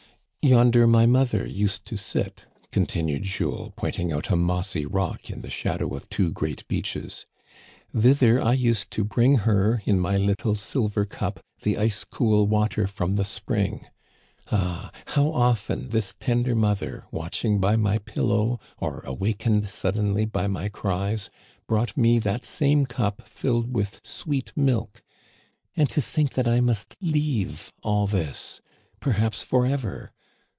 Yonder my mother used to sit," continued Jules, pointing out a mossy rock in the shadow of two great beeches. " Thither I used to bring her in my little sil ver cup the ice cool water from the spring. Ah ! how often this tender mother, watching by my pillow, or awakened suddenly by my cries, brought me that same cup filled with sweet milk ! And to think that I must leave all this — perhaps forever